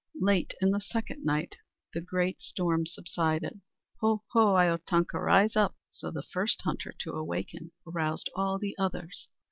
Late in the second night the great storm subsided. "Ho, ho! Iyotanka! Rise up!" So the first hunter to awaken aroused all the others.